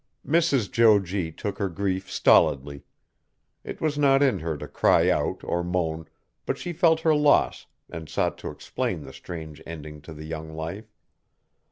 Mrs. Jo G. took her grief stolidly. It was not in her to cry out or moan, but she felt her loss and sought to explain the strange ending to the young life.